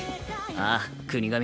ああ國神。